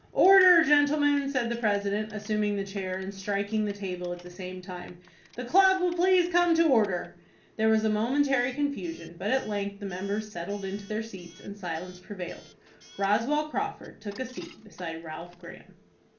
"Order, gentlemen!" said the president, assuming the chair, and striking the table at the same time. "The club will please come to order." There was a momentary confusion, but at length the members settled into their seats, and silence prevailed. Roswell Crawford took a seat beside Ralph Graham.